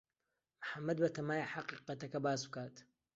محەمەد بەتەمایە حەقیقەتەکە باس بکات.